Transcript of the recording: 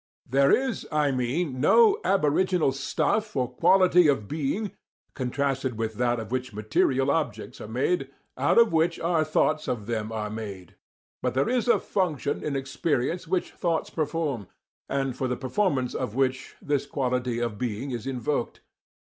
There is, I mean, no aboriginal stuff or quality of being, contrasted with that of which material objects are made, out of which our thoughts of them are made; but there is a function in experience which thoughts perform, and for the performance of which this quality of being is invoked.